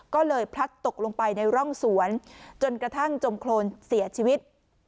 ก็เลยพลัดตกลงไปในร่องสวนจนกระทั่งจมโครนเสียชีวิต